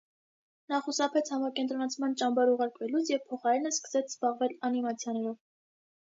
Նա խուսափեց համակենտրոնացման ճամբար ուղարկվելուց և փոխարենը սկսեց զբաղվել անիմացիաներով։